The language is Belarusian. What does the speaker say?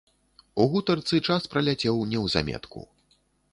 У гутарцы час праляцеў неўзаметку.